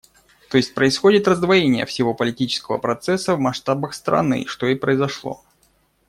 То есть происходит раздвоение всего политического процесса в масштабах страны, что и произошло.